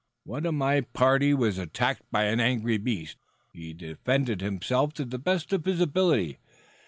One of my party was attacked by an angry beast. He defended himself to the best of his ability.